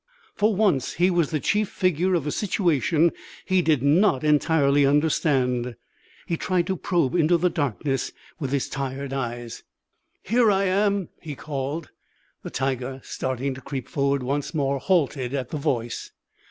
For once he was the chief figure of a situation he did not entirely understand. He tried to probe into the darkness with his tired eyes. "Here I am!" he called. The tiger, starting to creep forward once more, halted at the voice.